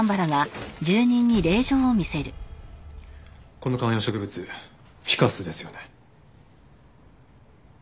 この観葉植物フィカスですよね。